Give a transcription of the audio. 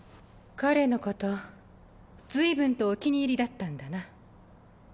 彼のこと随分とお気に入りだったんだな。